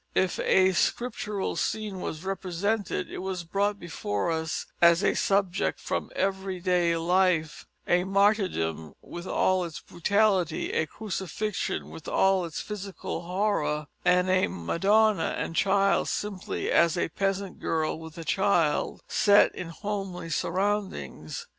If a scriptural scene was represented it was brought before us as a subject from everyday life; a martyrdom with all its brutality, a crucifixion with all its physical horror, and a madonna and child simply as a peasant girl with a child, set in homely surroundings.